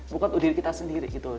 bukan untuk diri kita sendiri gitu loh